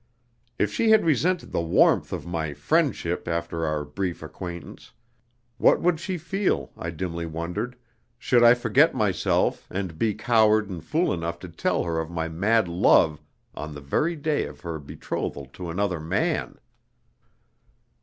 If she had resented the warmth of my "friendship" after our brief acquaintance, what would she feel, I dimly wondered, should I forget myself, and be coward and fool enough to tell her of my mad love on the very day of her betrothal to another man?